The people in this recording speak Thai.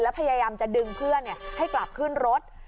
พยายามจะดึงเพื่อนให้กลับขึ้นรถ